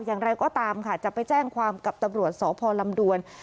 อย่างไรก็ตามค่ะจะไปแจ้งความกับตำรวจสพลำดวน